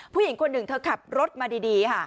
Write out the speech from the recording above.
ผู้หญิงคนหนึ่งเธอขับรถมาดีค่ะ